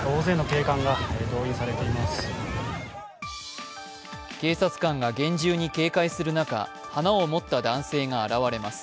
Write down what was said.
警察官が厳重に警戒する中、花を持った男性が現れます。